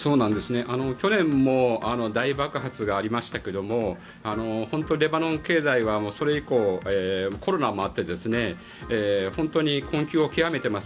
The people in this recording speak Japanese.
去年も大爆発がありましたけど本当にレバノン経済はそれ以降コロナもあって本当に困窮を極めています。